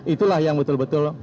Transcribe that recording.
itulah yang betul betul